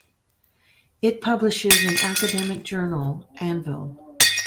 It publishes an academic journal "Anvil".